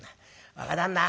「若旦那